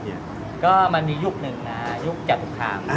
ไปทำเสมียมปุ๊บก็เลยเป็นเส้นทาง